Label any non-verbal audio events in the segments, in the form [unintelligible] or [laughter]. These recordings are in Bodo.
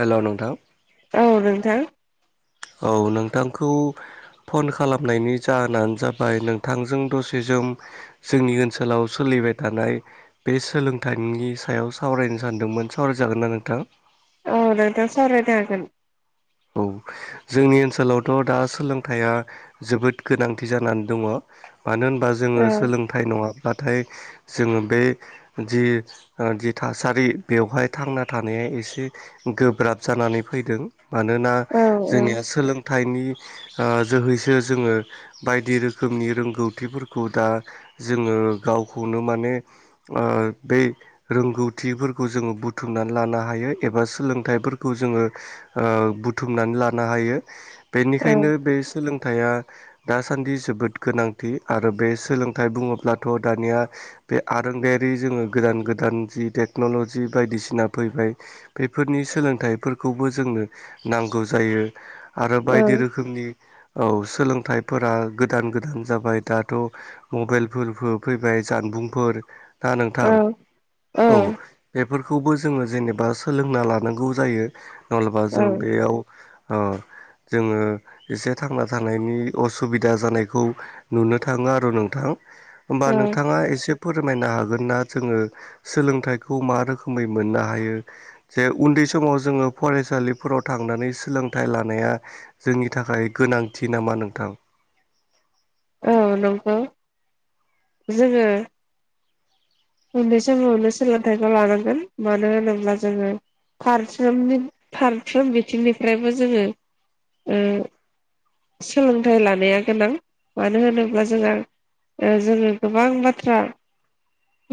हेल' नोंथां। औ नोंथां। औ नोंथांखौ फन खालामनायनि जाहोनानो जाबाय नोंथांजों दसे जोम जोंनि ओनसोलाव सोलिबाय थानाय बे सोलोंथाइनि सायाव सावरायनो सानदोंमोन सावरायजागोन नना नोंथां। औ नोंथां सावरायदो हागोन। औ जोंनि ओनसोलावथ' दा सोलोंथाइया जोबोद गोनांथि जानानै दङ। मानो होनबा जोङो सोलोंथाइ नङाब्लाथाय जोङो बे जि जि थासारि बेवहाय थांना थानाया एसे गोब्राब जानानै फैदों। मानोना औ जोंनिया सोलों थाइनि जोहैसो जोङो बायदि रोखोमनि रोंगौथिफोरखौ दा जोङो गावखौनो माने ओ बै रोंगौथिफोरखौ जोङो बुथुमनानै लानो हायो एबा सोलोंथाइफोरखौ जोङो बुथुमनानै लानो हायो औ बेनिखायनो बे सोलों सोलोंथाइया दासान्दि जोबोद गोनांथि आरो बे सोलोंथाइ बुङोब्लाथ' दानिया बे आरोंगायारि जोङो गोदान गोदान जि टेक्न'लजि बायदिसिना फैबाय। बेफोरनि सोलोंथाइफोरखौबो जोंनो नांगौ जायो आरो बायदि रोखोमनि औ सोलोंथाइफोरा गोदान गोदान जाबाय दाथ' मबाइलफोर फैबाय जानबुंफोर ना औ नोंथां। औ बेफोरखौबो जोङो जेनेबा सोलोंना लानांगौ जायो नलबा औ जों बेयाव ओ जोङो एसे थांना थानायनि असुबिदा जानायखौ नुनो थाङो आरो नोंथां। होमबा औ नोंथाङा एसे फोरमायनो हागोन ना जोङो सोलोंथाइखौ मा रोखोमै मोननो हायो। जे उन्दै समाव जोङो फरायसालि फोराव थांनानै सोलोंथाइ लानाया जोंनि थाखाय गोनांथि नामा नोंथां। औ नंगौ। जोङो उन्दै समावनो सोलोंथाइखौ लानांगोन। मानो होनोब्ला जोङो फारसोमनि फारफ्रोम बिथिंनिफ्रायबो जोङो सोलोंथाइ लानाया गोनां मानो होनोब्ला जोंहा ओ जोङो गोबां बाथ्रा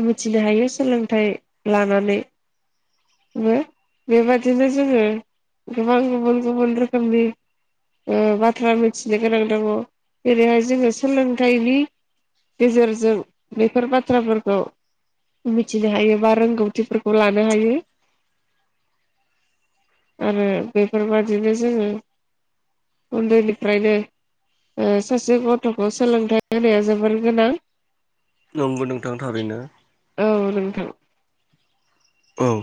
मिथिनो हायो सोलोंथाइ लानानै बेबादिनो जोङो गोबां गुबुन गुबुन रोखोमनि बाथ्रा मिथिनो गोनां दङ जेरैहाय जोङो सोलोंथाइनि गेजेरजों बेफोर बाथ्राफोर खौ मिथिनो हायो बा रोंगौथिफोरखौ लानो हायो। आरो बेफोरबादिनो जोङो उन्दै निफ्रायबो ओ सासे गथ'खौ सोलोंथाइ होनाया जोबोर गोनां। नंगौ नोंथां थारैनो। औ नोंथां औ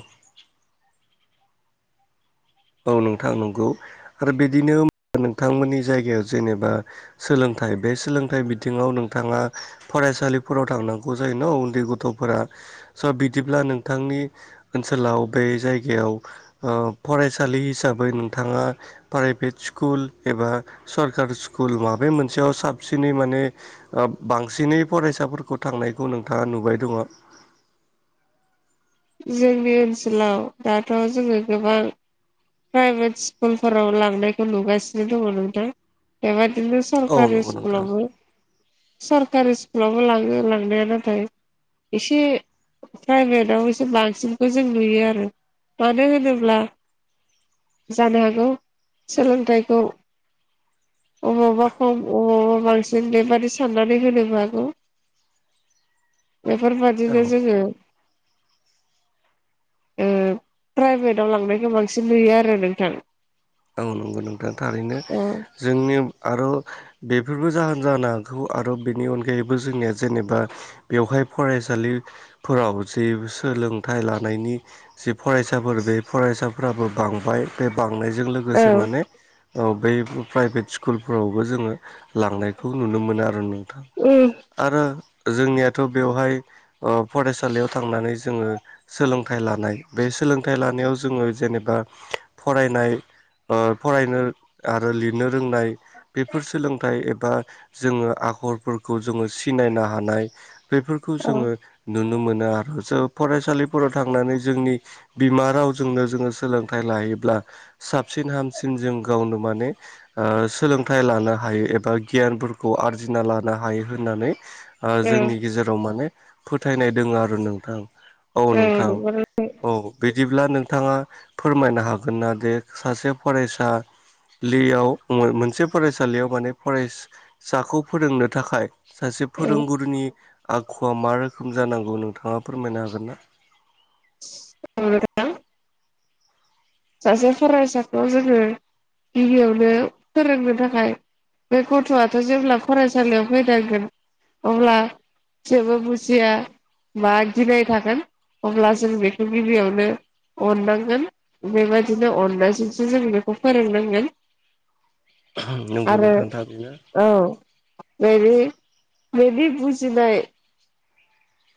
औ नोंथां नंगौ आरो बिदिनो नोंथांमोननि जायगायाव जेनेबा सोलोंथाइ बे सोलोंथाइ बिथिङाव नोंथाङा फरायसालिफोराव थांनांगौ जायोन उन्दै गथ'फोरा स' बिदिब्ला नोंथांनि ओनसोलाव बे जायगायाव ओ फरायसा सालि हिसाबै नोंथाङा प्राइभेट स्कुल एबा सरकारि स्कुल माबे मोनसेयाव साबसिनै माने ओ बांसिनै फरायसाफोरखौ थांनायखौ नोंथाङा नुबाय दङ'। जोंनि ओनसोलाव दाथ' जोङो गोबां प्राइभेट स्कुलफोराव लांनायखौ नुगासिनो दङ नोंथां बेबायदिनो औ सरकारि नंगौ नोंथां स्कुलावबो सरकारि स्कुलावबो लाङो लांनाया नाथाय एसे प्राइभेटाव एसे बांसिनखौ जों नुयो आरो मानो होनोब्ला जानो हागौ सोलोंथाइखौ अबावबा खम अबावबा बांसिन बेबादि साननानै होनोबो हागौ [unintelligible] औ बेफोरबायदिनो जोङो ओ प्राइभेटआव लांनायखौ बांसिन नुयो आरो नोंथां। औ नंगौ नोंथां थारैनो औ जोंनि आर' बेफोरबो जाहोन जानो हागौ आरो बेनि अनगायैबो जोंनिया जेनेबा बेवहाय फरायसालिफोराव जे सोलोंथाइ लानायनि जि फरायसाफोर बे फरायसाफोराबो बांबाय बे बांनायजों औ लोगोसे माने औ बै प्राइभेट स्कुलफोरावबो जोङो लांनायखौ नुनो मोनो आरो नों थां आरो जोंनियाथ' बेवहाय अ फरायसालियाव थांनानै जोङो सोलोंथाइ लानाय बे सोलोंथाइ लानायाव जोङो जेनेबा फरायनाय ओ फरायनो आरो लिरनो रोंनाय बेफोर सोलोंथाइ एबा जोङो आखलफोरखौ जोङो सिनायनो हानाय बेफोरखौ औ जोङो नुनो मोनो आर' जों फरायसालिफोराव थांनानै जोंनि बिमा रावजोंनो जोङो सोलोंथाइ लायोब्ला साबसिन हामसिन जों गावनो माने ओ सोलोंथाइ लानो हायो एबा गियानफोरखौ आरजिना लानो हायो होननानै ओ औ जोंनि गेजेराव माने फोथायनाय दोङो आरो नोंथां। औ नोंथां औ बिदिब्ला नोंथाङा फोरमायनो हागोन ना दे सासे फरायसा लियाव मो-मोनसे फरायसालियाव माने फराय साखौ फोरोंनो थाखाय सासे फोरोंगुरुनि आखुवा मा रोखोम जानांगौ नोंथाङा फोरमायनो हागोन ना। औ नोंथां। सासे फरायसाखौ जोङो गिबियावनो फोरोंनो थाखाय बे गथ'आथ' जेब्ला फरायसालियाव फैनांगोन अब्ला जेबो बुजिया। बा गिनाय थागोन अब्ला जों बेखौ गिबियावनो अननांगोन। बेबादिनो अननायजोंसो जों बेखौ फोरोंनांगोन। नंगौ आरो नोंथां थारैनो औ। मेबि मेबि बुजिनाय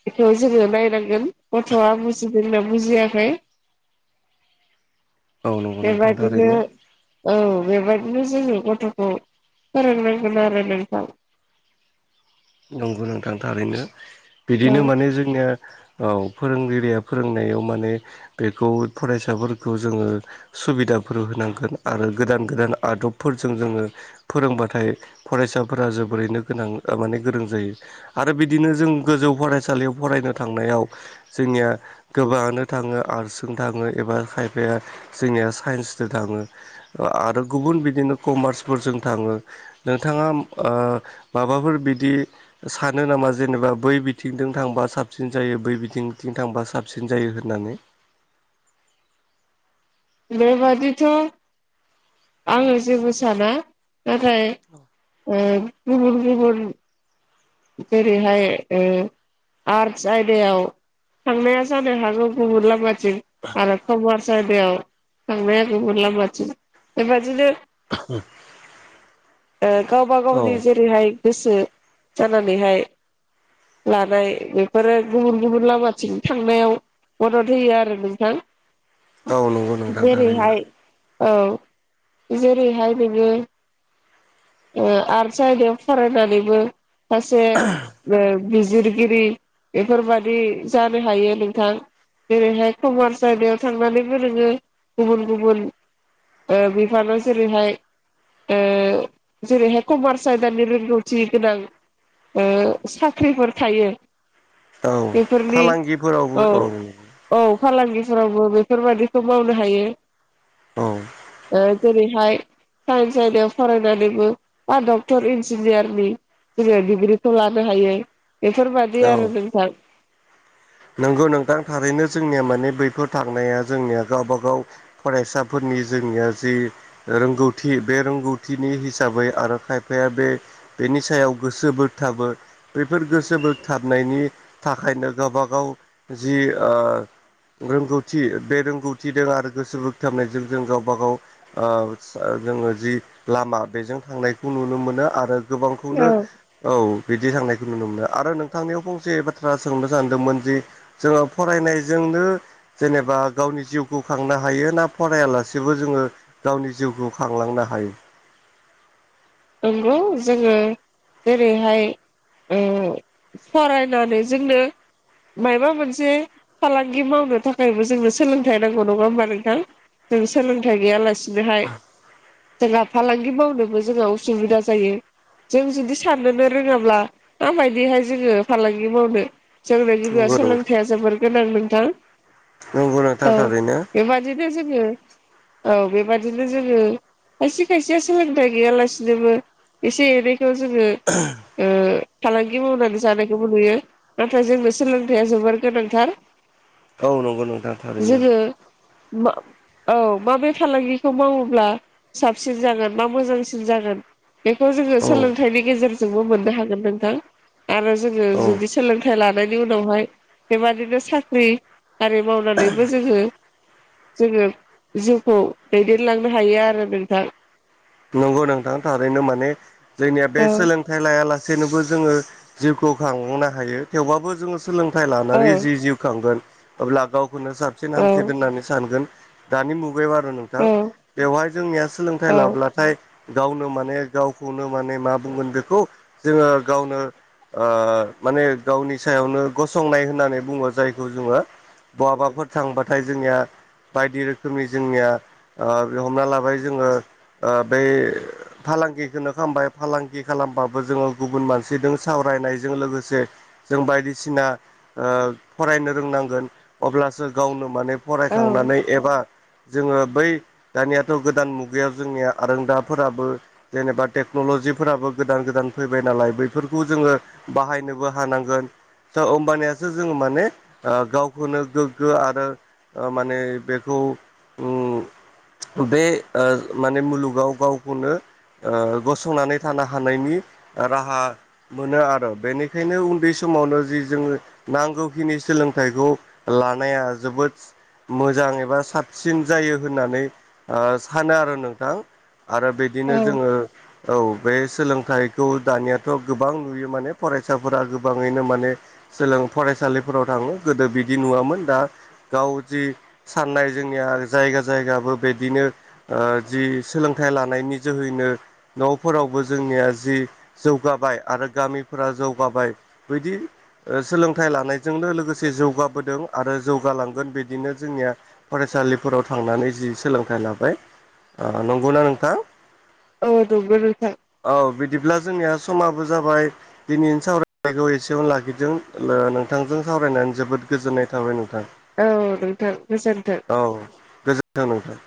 बेखौ जोङो नायनांगोन गथ'आ बुजिदोंना बुजियाखै! [inaudible] नोंथां बेबायदिनो थारैनो औ बेबायदिनो जोङो गथ'खौ फोरोंनांगोन आरो नोंथां। नंगौ नोंथां थारैनो। औ बिदिनो माने जोंनिया औ फोरोंगिरिया फोरोंनायाव माने बेखौ फरायसाफोरखौ जोङो सुबिदाफोर होनांगोन आरो गोदान गोदान आदबफोरजों जोङो फोरोंबाथाय फरायसाफोरा जोबोरैनो गोनां थारमाने गोरों जायो आरो बिदिनो जों गोजौ फरायसालियाव फरायनो थांनायाव जोंनिया गोबाङानो थाङो आरसजों थाङो एबा खायफाया जोंनिया साइन्सदो थाङो ओ आरो गुबुन बिदिनो कमार्सफोरजों थाङो। नोंथाङा ओ माबाफोर बिदि सानो नामा जेनेबा बै बिथिंजों थांबा साबसिन जायो बै बिथिंथिं थांबा साबसिन जायो होननानै? बेबादिथ' आङो जेबो साना नाथाय ओ गुबुन गुबुन जेरैहाय ओ आर्टस आयदायाव थांनाया जानो हागौ गुबुन लामा जों आरो कमार्स आयदायाव थांनाया गुबुन लामाथिं बेबादिनो ओ गावबा औ गावनि जेरैहाय गोसो जानानैहाय लानाय बेफोरो गुबुन गुबुन लामाथिं थांनायाव मदद होयो आरो नोंथां औ नंगौ नोंथां थारैनो जेरैहाय औ जेरैहाय बेनो ओ आर्टस आयदायाव फरायनानैबो माखासे ओ बिजिरगिरि बेफोरबादि जानो हायो नोंथां। जेरैहाय कमार्स आयदायाव थांनानैबो नोङो गुबुन गुबुन ओ बिफानाव जेरैहाय ओ जेरैहाय कमार्स आयदानि रोंगौथि गोनां। ओ साख्रिफोर थायो। औ बेफोरनि फालांगिफोरावबो औ। औ फालांगिफोरावबो बेफोरबादिखौ मावनो हायो। औ। ओ जेरैहाय साइन्स आयदायाव फरायनानैबो बा डक्टर इन्जिनियारनि जोङो बि -ग्रिखौ लानो हायो बेफोरबायदि औ आरो नोंथां। नंगौ नोंथां थारैनो। जोंनिया माने बैफोर थांनाया जोंनिया गावबा गाव फरायसाफोरनि जोंनिया जि रोंगौथि बे रोंगौथिनि हिसाबै आरो खायफाया बे बेनि सायाव गोसो बोगथाबो। बैफोर गोसो बोगथाबनायनि थाखायनो गोबां [unintelligible] गाव जि ओ रोंगौथि बे रोंगौथिजों आरो गोसो बोगथाबनायजों जों गावबा- गाव जोङो जि लामा बेजों थांनायखौ नुनो मोनो आरो गोबांखौनो औ बिदि थांनायखौ नुनो मोनो आरो नोंथांनियाव फंसे बाथ्रा सोंनो सानदोंमोन? जे जोङो फरायनायजोंनो जेनेबा गावनि जिउखौ खांनो हायो ना फरायालासेबो जोङो गावनि जिउखौ खांलांनो हायो? नंगौ जोङो जेरैहाय फरायनानै जोंनो माबा मोनसे फालांगि मावनो थाखायबो जोंनो सोलोंथाइ नांगौ नङा होमबा नोंथां? जों सोलोंथाइ गैयालासिनोहाय जोंहा फालांगि मावनोबो जों [unintelligible] उसुबिदा जायो। जों जुदि साननोनो रोङाब्ला माबायदिहाय जोङो फालांगि मावनो जोंनो गिबियाव नंगौ नोंथां सोलोंथाइया जोबोर गोनां नोंथां नंगौ नोंथां औ थारैनो बेबादिनो जोङो औ बेबादिनो जोङो खायसे खायसेया सोलोंथाइ गैयालासेनो बिदिनोबो एसे एनैखौ जोङो [inaudible] फालांगि मावनानै जानायखौबो नुयो नाथाय जोंनो सोलोंथाइया जोबोर गोनांथार [unintelligible] नोंथां थारैनो जोङो औ माबे फालांगिखौ मावोब्ला साबसिन जागोन मा मोजांसिन जागोन बेखौ जोङो औ सोलोंथाइनि गेजेरजोंबो मोननो हागोन नोंथां आरो जोङो औ जुदि सोलोंथाइ लानायनि उनावहाय बेबादिनो साख्रि आरि मावनानैबो जोङो जोङो जिउखौ दैदेनलांनो हायो आरो नोंथां नंगौ नोंथां थारैनो माने जोंनिया बे औ सोलोंथाइ लायालासेनोबो जोङो जिउखौ खांनो हायो थेवबाबो जोङो सोलोंथाइ लानानै जि औ जिउ खांगोन अब्ला गावखौनो साबसिन औ हामसिन दोननानै सानगोन दानि मुगायाव आरो न औ बेवहाय जोंनिया सोलोंथाइ औ लाब्लाथाय गावनो माने गावखौनो माने मा बुंगोन बेखौ जोङो गावनो माने गावनि सायावनो गसंनाय होननानै बुङो जायखौ जोङो बहाबाफोर थांबाथाय जोंनिया बायदि रोखोमनि जोंनिया हमना लाबाय जोङो बै फालांगिखौनो खालामबाय फालांगि खालामबाबो जोङो गुबुन मानसिजों सावरायनायजों लोगोसे जों बायदिसिना फरायनो रोंनांगोन अब्लासो गावनो माने औ फरायखांनानै एबा जोङो बै दानियाथ' गोदान मुगायाव जोंनिया आरोों दाफोराबो जेनेबा टेक्न'लजिफोराबो गोदान गोदान फैबाय नालाय बैफोरखौ जोङो बाहायनोबो हानांगोन दा होमबानियाासो जोङो माने गावखौनो गोग्गो आरो माने बेखौ बे माने मुलुग गाव गावखौनो गसंनानै थानो हानायनि राहा मोनो आरो बेनिखायनो उन्दै समावनो जि जोंङो नांगौखिनि सोलोंथाइखौ लानाया जोबोद मोजां एबा साबसिन जायो होननानै सानो आरो नोंथां आरो औ बिदिनो जोङो औ बे सोलोंथाइखौ दानियाथ' गोबां नुयो माने फरायसाफोरा गोबाङैनो माने सोलों फरायसालिफोराव थाङो गोदो बिदि नुवामोन दा गाव जि साननाय जोंनिया जायगा जायगाबो बिदिनो जि सोलोंथाइ लानायनि जोहैनो न'फोरावबो जोंनिया जि जौगाबाय आरो गामिफोरा जौगाबाय बदि सोलोंथाइ लानायजोंनो लोगोसे जौगाबोदों आरो जौगालांगोन बिदिनो जोंनिया फरायसालिफोराव थांनानै जि सोलोंथाइ लाबाय नंगौना नोंथां औ [unintelligible] औ बिदिब्ला जोंनिया समाबो जाबाय दिनै सावरायनायखौ एसेयावनो लाखिदो नोंथांजों सावरायनानै जोबोद गोजोननाय थाबाय नोंथां औ नोंथां गोजोन्थों औ गोजोन्थों नोंथां